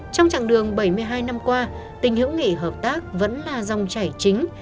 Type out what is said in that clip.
trong chặng đường bảy mươi hai năm qua tình hữu nghị hợp tác vẫn là dòng chảy chính